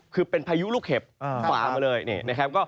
คือเป็นพายุลูกเข็บฝ่ามาเลย